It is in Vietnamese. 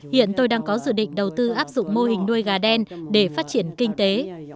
hiện tôi đang có dự định đầu tư áp dụng mô hình nuôi gà đen để phát triển kinh tế